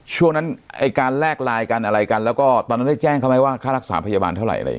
ช่วงนั้นไอ้การแลกไลน์กันอะไรกันแล้วก็ตอนนั้นได้แจ้งเขาไหมว่าค่ารักษาพยาบาลเท่าไหร่